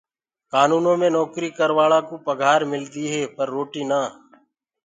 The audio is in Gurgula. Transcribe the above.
ڪآنوُنو مي نوڪري ڪروآݪڪوُ پگھآر ملدي هي پر روٽي نآ۔